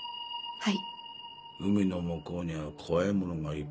はい。